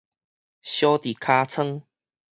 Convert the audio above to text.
相捏尻川